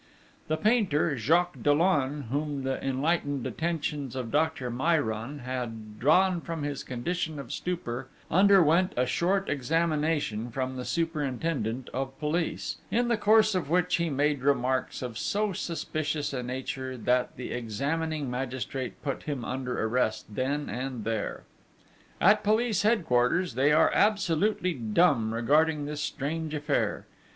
The painter, Jacques Dollon, whom the enlightened attentions of Doctor Mayran had drawn from his condition of torpor, underwent a short examination from the superintendent of police, in the course of which he made remarks of so suspicious a nature that the examining magistrate put him under arrest then and there. At police headquarters they are absolutely dumb regarding this strange affair.